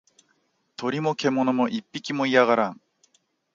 鳥も獣も一匹も居やがらん